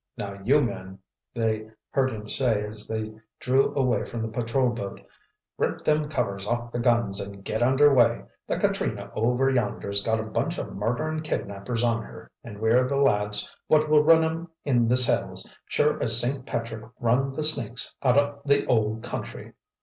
Now you men," they heard him say as they drew away from the patrol boat, "rip them covers off the guns and git under way. The Katrina over yonder's got a bunch o' murderin' kidnappers on her, and we're the lads what will run 'em in the cells, sure as Saint Patrick run the snakes out o' the old country!"